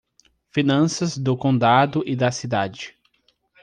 Finanças do condado e da cidade